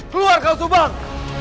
keluar kau subang